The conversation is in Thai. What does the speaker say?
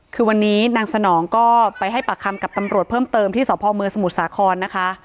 คือวันนี้นางสนองก็ไปให้ปากคำกับตำรวจเพิ่มเติมที่สพเมืองสมุทรสาครนะคะ